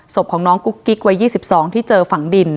ศพของน้องกุ๊กกิ๊กวัย๒๒ที่เจอฝังดิน